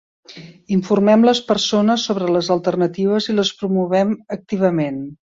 Informem les persones sobre les alternatives i les promovem activament.